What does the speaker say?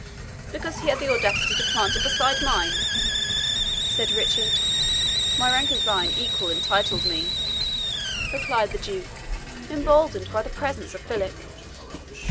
"Because he had the audacity to plant it beside mine," said Richard. "My rank as thine equal entitled me," replied the Duke, emboldened by the presence of Philip.